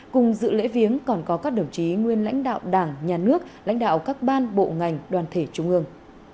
cùng dự lễ viếng còn có các đồng chí nguyên lãnh đạo đảng nhà nước lãnh đạo các ban bộ ngành đoàn thể trung ương